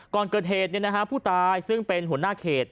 ก่อนเกิดเหตุผู้ตายซึ่งเป็นหัวหน้าเขต